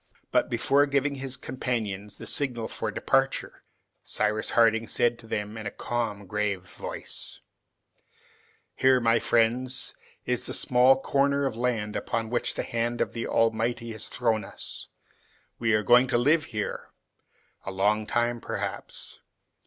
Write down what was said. But before giving his companions the signal for departure, Cyrus Harding said to them in a calm, grave voice, "Here, my friends, is the small corner of land upon which the hand of the Almighty has thrown us. We are going to live here; a long time, perhaps.